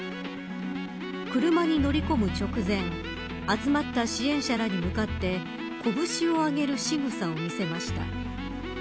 車に乗り込む直前集まった支援者らに向かって拳を上げるしぐさを見せました。